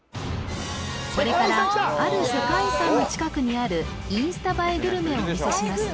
これからある世界遺産の近くにあるインスタ映えグルメをお見せします